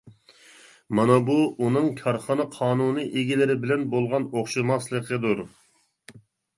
مانا بۇ ئۇنىڭ كارخانا قانۇنىي ئىگىلىرى بىلەن بولغان ئوخشىماسلىقىدۇر.